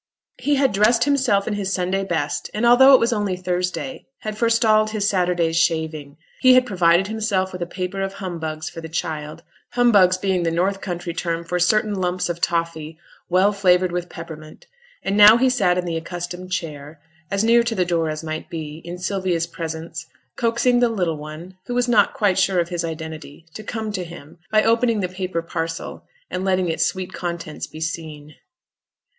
He had dressed himself in his Sunday best, and although it was only Thursday, had forestalled his Saturday's shaving; he had provided himself with a paper of humbugs for the child 'humbugs' being the north country term for certain lumps of toffy, well flavoured with peppermint and now he sat in the accustomed chair, as near to the door as might be, in Sylvia's presence, coaxing the little one, who was not quite sure of his identity, to come to him, by opening the paper parcel, and letting its sweet contents be seen.